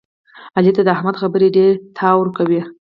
علي ته د احمد خبرې ډېرتاو ورکوي.